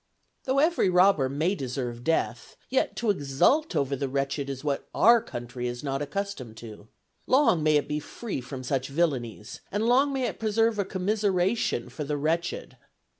Though every robber may deserve death, yet to exult over the wretched is what our country is not accustomed to. Long may it be free from such villanies, and long may it preserve a commiseration for the wretched."